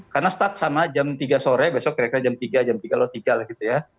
karena start sama jam tiga sore besok mereka jam tiga jam tiga lo tiga lah gitu ya